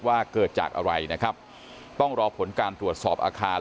ว่าเกิดจากอะไรนะครับต้องรอผลการตรวจสอบอาคาร